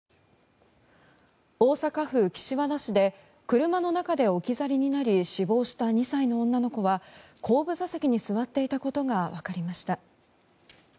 大阪府岸和田市で車の中で置き去りになり死亡した２歳の女の子は後部座席に座っていたことがわかりました。